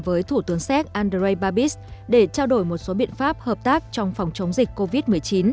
với thủ tướng séc andrei babis để trao đổi một số biện pháp hợp tác trong phòng chống dịch covid một mươi chín